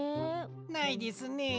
ないですねえ。